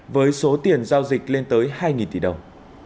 với số tiền giao dịch lên tới hai tỷ đồng